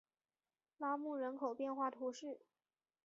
拉穆人口变化图示